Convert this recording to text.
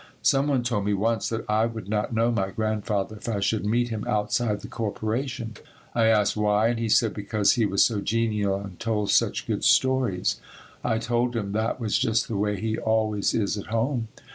Some one told me once that I would not know my Grandfather if I should meet him outside the Corporation. I asked why and he said because he was so genial and told such good stories. I told him that was just the way he always is at home.